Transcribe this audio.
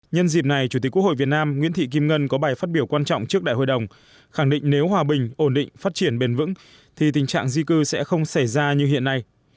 nhân dịp này chủ tịch quốc hội việt nam nguyễn thị kim ngân có bài phát biểu quan trọng trước đại hội đồng khẳng định nếu hòa bình ổn định phát triển bền vững thì tình trạng di cư sẽ không xảy ra như hiện nay